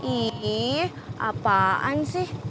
ih apaan sih